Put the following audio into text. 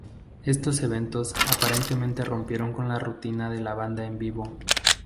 Estos eventos, aparentemente, rompieron con la rutina de la banda en vivo.